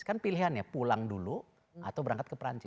kan pilihannya pulang dulu atau berangkat ke perancis